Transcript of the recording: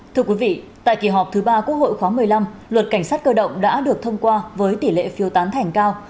thưa quý vị tại kỳ họp thứ ba quốc hội khóa một mươi năm luật cảnh sát cơ động đã được thông qua với tỷ lệ phiêu tán thành cao